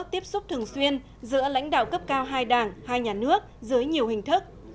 tiếp xúc thường xuyên giữa lãnh đạo cấp cao hai đảng hai nhà nước dưới nhiều hình thức